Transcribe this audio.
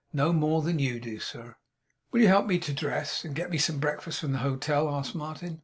No more than you do, sir.' 'Will you help me to dress, and get me some breakfast from the hotel?' asked Martin.